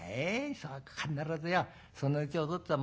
そうか必ずよそのうちおとっつぁん